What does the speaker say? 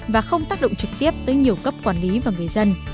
và không tác động trực tiếp tới nhiều cấp quản lý và người dân